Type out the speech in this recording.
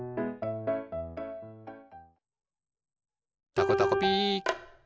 「たこたこピー」